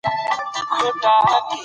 سمارټ وسایل زده کړه اسانوي.